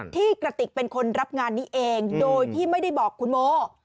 กระติกเป็นคนรับงานนี้เองโดยที่ไม่ได้บอกคุณโม